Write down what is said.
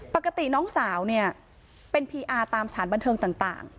ปกติน้องสาวเนี่ยเป็นพีอาร์ตามสถานบันเทิงต่าง